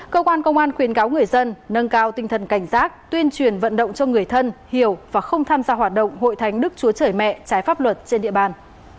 cơ quan công an khuyến cáo người dân nâng cao tinh thần cảnh giác tuyên truyền vận động cho người thân hiểu và không tham gia hoạt động hội thánh đức chúa trời mẹ trái pháp luật trên địa bàn